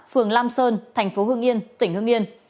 phường lam sơn tp hương yên tỉnh hương yên